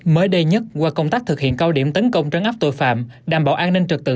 mới đây nhất qua công tác thực hiện cao điểm tấn công trấn áp tội phạm đảm bảo an ninh trật tự